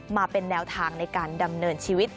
มาเป็นแนวทางในการดำเนินชีวิต